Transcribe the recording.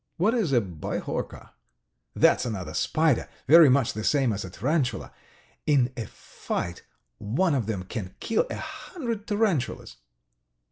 "What is a bihorka?" "That's another spider, very much the same as a tarantula. In a fight one of them can kill a hundred tarantulas."